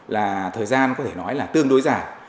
là thời gian có thể nói là tương đối dài